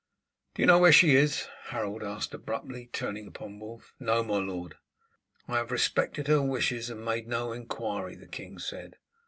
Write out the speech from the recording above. _" "Do you know where she is?" Harold asked abruptly, turning upon Wulf. "No, my lord." "I have respected her wishes and made no inquiry," the king said.